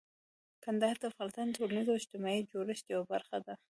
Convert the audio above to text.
کندهار د افغانستان د ټولنیز او اجتماعي جوړښت یوه برخه ده.